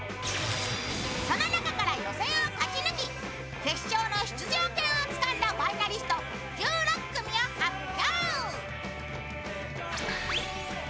その中から予選を勝ち抜き決勝の出場権をつかんだファイナリスト１６組を発表。